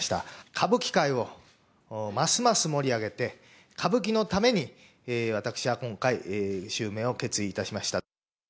歌舞伎界をますます盛り上げて、歌舞伎のために、私は今回、襲名を決意いたしました。